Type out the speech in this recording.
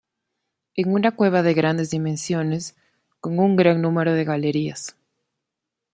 En una cueva de grandes dimensiones, con un gran número de galerías.